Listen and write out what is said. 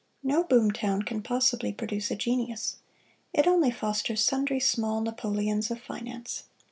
No "boom town" can possibly produce a genius: it only fosters sundry small Napoleons of finance.